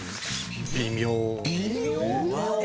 微妙？